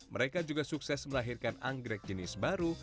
mereka juga sukses melahirkan anggrek jenis baru